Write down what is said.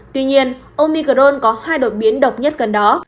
tuy nhiên omicron có hai đột biến độc nhất gần đó